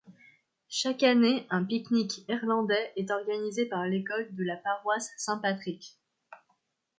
Chaque année, un pique-nique irlandais est organisé par l'école de la paroisse Saint-Patrick.